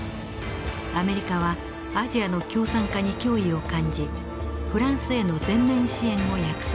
アメリカはアジアの共産化に脅威を感じフランスへの全面支援を約束。